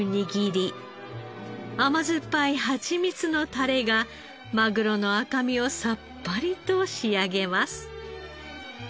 甘酸っぱいハチミツのタレがマグロの赤身をさっぱりと仕上げます。